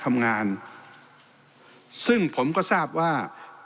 ทำงานซึ่งผมก็ทราบว่า